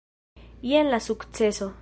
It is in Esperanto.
Jen la sukceso.